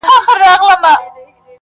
چي استاد وو پر تخته باندي لیکلی-